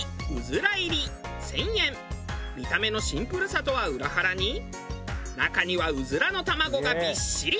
見た目のシンプルさとは裏腹に中にはうずらの卵がびっしり！